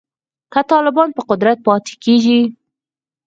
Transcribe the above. که طالبان په قدرت پاتې کیږي